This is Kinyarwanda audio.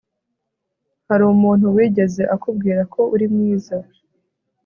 Hari umuntu wigeze akubwira ko uri mwiza